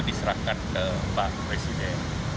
diserahkan ke pak presiden